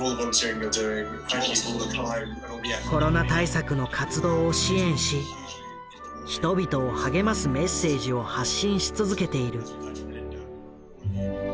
コロナ対策の活動を支援し人々を励ますメッセージを発信し続けている。